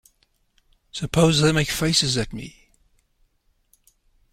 Suppose they make faces at me.